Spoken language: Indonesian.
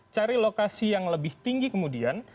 cari lokasi yang lebih tinggi kemudian